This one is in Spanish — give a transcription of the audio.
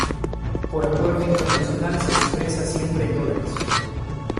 Por acuerdo internacional, se expresa siempre en dólares.